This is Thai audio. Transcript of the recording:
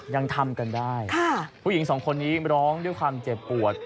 ยังทำกันได้ผู้หญิงสองคนนี้ร้องด้วยความเจ็บปวด